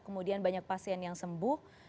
kemudian banyak pasien yang sembuh